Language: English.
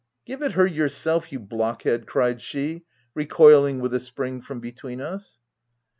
u Give it her yourself, you blockhead ?" cried she, recoiling with a spring from between us.